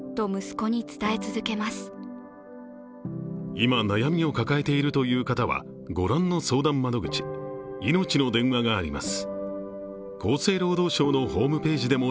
今、悩みを抱えているという方はご覧の相談窓口、いのちの電話があります。